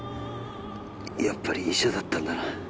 やっぱり医者だったんだな